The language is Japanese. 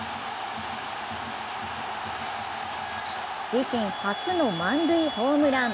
自身初の満塁ホームラン。